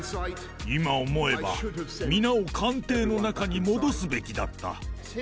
今思えば、皆を官邸の中に戻すべきだった。